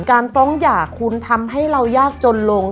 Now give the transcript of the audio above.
การฟ้องหย่าคุณทำให้เรายากจนลง